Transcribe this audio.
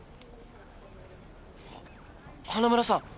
あっ花村さん。